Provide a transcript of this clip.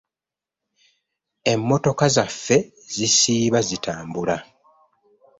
Emmotoka zaffe zisiiba zitambula.